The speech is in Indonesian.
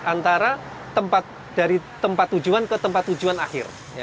antara dari tempat tujuan ke tempat tujuan akhir